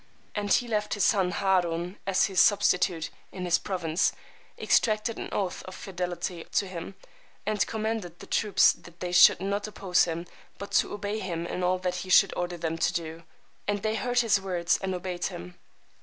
And he left his son Hároon as his substitute in his province, exacted an oath of fidelity to him, and commanded the troops that they should not oppose him, but obey him in all that he should order them to do. And they heard his words, and obeyed him.